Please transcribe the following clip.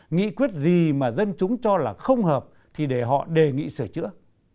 nghị quyết gì mà dân chúng cho là không hợp thì để họ đề nghị sửa chữa